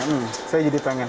hmm saya jadi pengen